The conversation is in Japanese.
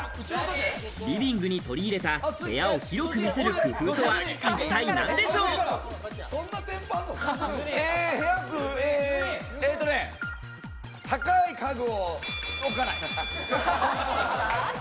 リビングに取り入れた部屋を広く見せる工夫高い家具を置かない。